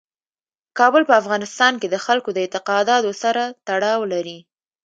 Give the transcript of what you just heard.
کابل په افغانستان کې د خلکو د اعتقاداتو سره تړاو لري.